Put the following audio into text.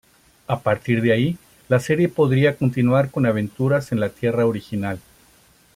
A partir de ahí la serie podría continuar con aventuras en la Tierra original.